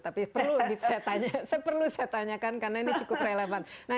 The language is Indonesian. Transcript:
tapi saya perlu saya tanyakan karena ini cukup relevan